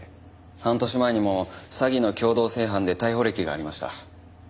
半年前にも詐欺の共同正犯で逮捕歴がありました。